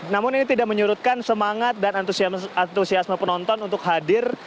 namun ini tidak menyurutkan semangat dan antusiasme penonton untuk hadir